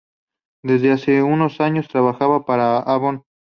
Desde hace unos años trabaja para Avon.